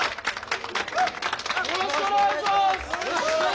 よろしくお願いします！